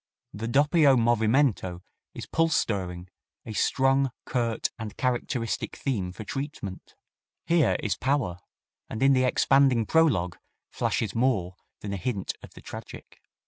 The doppio movimento is pulse stirring a strong, curt and characteristic theme for treatment. Here is power, and in the expanding prologue flashes more than a hint of the tragic.